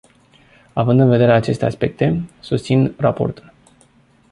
Având în vedere aceste aspecte, susțin raportul.